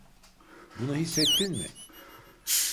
Bunu hissettin mi?